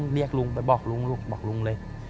เรียกลุงไปบอกลุงลุงบอกลุงเลย